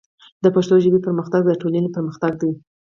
د پښتو ژبې پرمختګ د ټولنې پرمختګ دی.